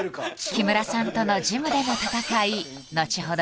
木村さんとのジムでの戦い後ほど